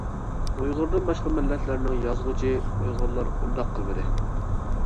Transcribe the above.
ئۇيغۇردىن باشقا مىللەتلەرنىڭ يازغۇچى. ئۇيغۇرلار ئۇنداق قىلمىدى.